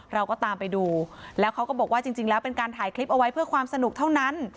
เราก็ตามไปดูแล้วเขาก็บอกว่าจริงแล้วเป็นการถ่ายคลิปเอาไว้เพื่อความสนุกเท่านั้น